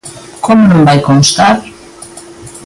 ¿Como non vai constar?